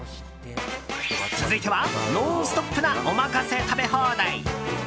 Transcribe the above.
続いてはノンストップなお任せ食べ放題。